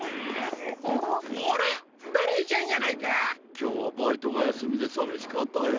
きょうはバイトがやすみでさみしかったよ。